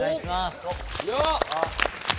よっ！